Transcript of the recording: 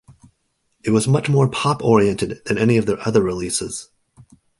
It was much more pop-oriented than any of their other releases.